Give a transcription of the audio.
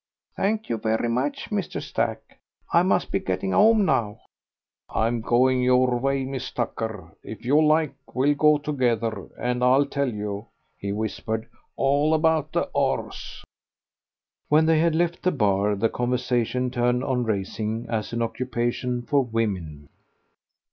"Thank you very much, Mr. Stack. I must be getting home now." "I'm going your way, Miss Tucker.... If you like, we'll go together, and I'll tell you," he whispered, "all about the 'orse." When they had left the bar the conversation turned on racing as an occupation for women.